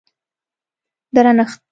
درنښت